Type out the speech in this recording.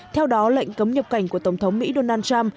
theo đó lệnh cấm nhập cảnh của tổng thống mỹ donald trump